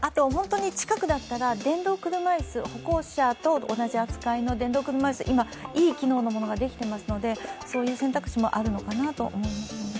近くだったら電動車椅子、歩行者と同じ条件の今、いい機能のものができていますのでそういう選択肢もあるのかなと思います。